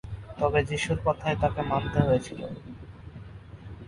তবে যীশুর কথাই তাকে মানতে হয়েছিল।